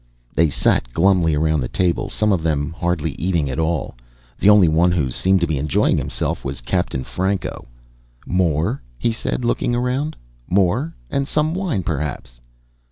They sat glumly around the table, some of them hardly eating at all. The only one who seemed to be enjoying himself was Captain Franco. "More?" he said, looking around. "More? And some wine, perhaps."